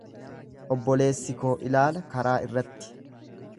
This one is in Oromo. Obboleessi koo ilaala karaa irratti.